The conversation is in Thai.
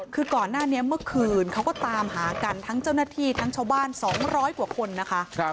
คือก่อนหน้านี้เมื่อคืนเขาก็ตามหากันทั้งเจ้าหน้าที่ทั้งชาวบ้าน๒๐๐กว่าคนนะคะ